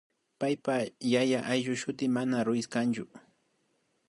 paypa yaya ayllushuti mana Ruíz kanchu